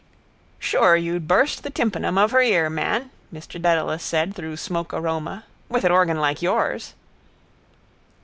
—Sure, you'd burst the tympanum of her ear, man, Mr Dedalus said through smoke aroma, with an organ like yours.